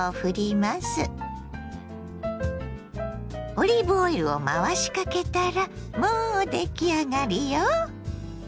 オリーブオイルを回しかけたらもう出来上がりよ。